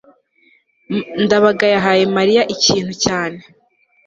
ndabaga yahaye mariya ikintu cyane